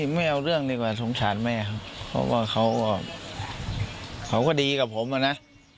ไม่เอาเรื่องดีกว่าสงสารแม่ครับเพราะว่าเขาก็ดีกับผมอะนะ